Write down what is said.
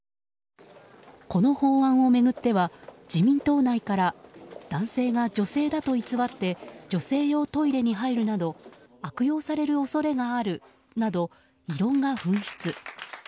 この法案を巡っては自民党内から男性が女性だと偽って女性用トイレに入るなど悪用される恐れがあるなど異論が噴出。